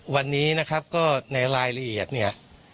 วันนี้นะครับก็ในรายละเอียดเนี่ย